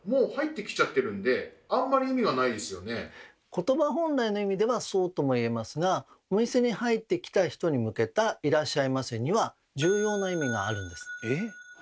言葉本来の意味ではそうとも言えますがお店に入ってきた人に向けた「いらっしゃいませ」には重要な意味があるんです。